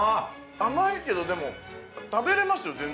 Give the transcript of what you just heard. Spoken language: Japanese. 甘いけど、でも食べれますよ